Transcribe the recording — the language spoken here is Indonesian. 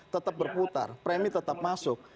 tetap berputar premi tetap masuk